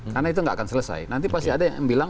karena itu nggak akan selesai nanti pasti ada yang bilang